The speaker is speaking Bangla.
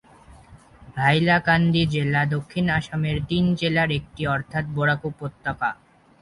হাইলাকান্দি জেলা দক্ষিণ আসামের তিন জেলার একটি অর্থাৎ বরাক উপত্যকা।